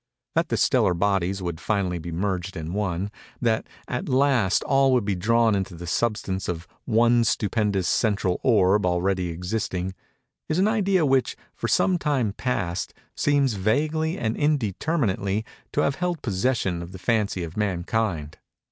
That the stellar bodies would finally be merged in one—that, at last, all would be drawn into the substance of one stupendous central orb already existing—is an idea which, for some time past, seems, vaguely and indeterminately, to have held possession of the fancy of mankind.